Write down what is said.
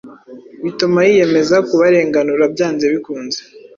bituma yiyemeza kubarenganura byanze bikunze.